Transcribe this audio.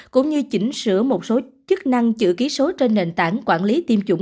cũng như chỉnh sửa một số chức năng chữ ký số trên nền tảng quản lý tiêm chủng